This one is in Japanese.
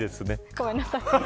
ごめんなさい。